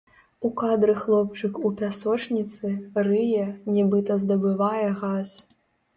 У кадры хлопчык у пясочніцы, рые, нібыта здабывае газ.